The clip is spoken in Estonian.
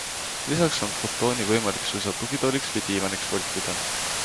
Lisaks on futooni võimalik suisa tugitooliks või diivaniks voltida.